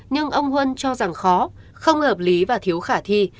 nhưng ông huân cho rằng khó không hợp lý và thiếu khả thi